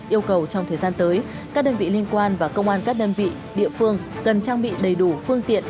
yêu cầu trong thời gian tới các đơn vị liên quan và công an các đơn vị địa phương cần trang bị đầy đủ phương tiện